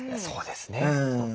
そうですね。